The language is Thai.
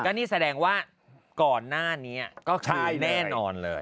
นี่แสดงว่าก่อนหน้านี้ก็คือแน่นอนเลย